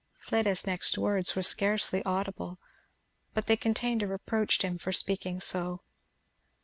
Pleda's next words were scarcely audible, but they contained a reproach to him for speaking so.